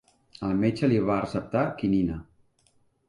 El metge li va receptar quinina.